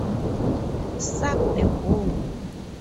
Suck the bone.